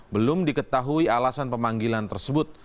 belum diketahui alasan pemanggilan tersebut